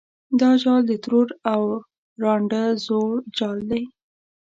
دا جال د ترور او ړانده زوړ جال دی.